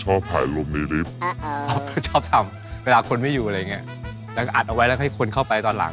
ชอบหายลมในลิฟท์ชอบทำเวลาคุณไม่อยู่อะไรอย่างนี้แล้วก็อัดเอาไว้แล้วให้คุณเข้าไปตอนหลัง